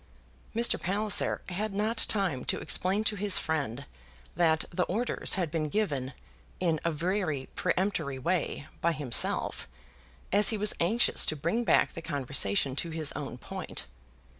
Mr. Palliser had not time to explain to his friend that the orders had been given, in a very peremptory way, by himself, as he was anxious to bring back the conversation to his own point.